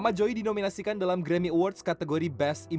saya ingin orang orang memikirkan musik saya